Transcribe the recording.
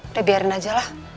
udah biarin aja lah